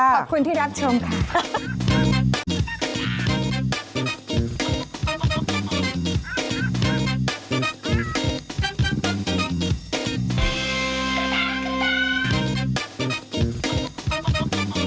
ขอบคุณที่รับชมค่ะ